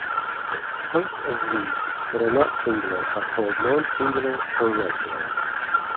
Points of "V" that are not singular are called non-singular or regular.